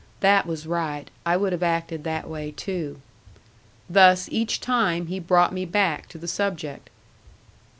That was right. I would have acted that way, too." Thus, each time, he brought me back to the subject.